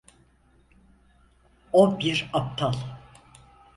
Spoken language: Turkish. O bir aptal.